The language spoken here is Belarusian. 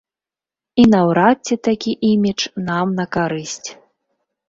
І наўрад ці такі імідж нам на карысць.